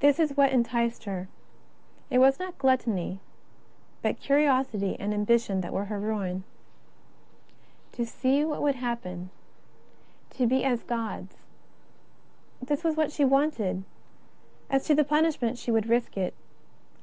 This was what enticed her. It was not gluttony, but curiosity and ambition that were her ruin. To 26 JESUS OF NAZARETH. see what would happen; to be as Gods, this was what she wanted; as to the punishment slie would risk it.